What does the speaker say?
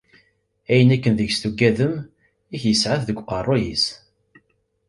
Ayen akken deg-s tugadem yak yesɛa-t deg uqerru-is.